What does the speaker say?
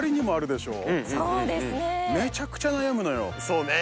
そうね！